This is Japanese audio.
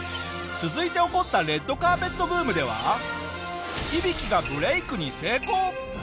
続いて起こった『レッドカーペット』ブームでは響がブレイクに成功！